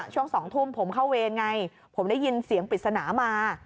ช่วง๒ทุ่มผมเข้าเวรไงผมได้ยินเสียงปริศนามา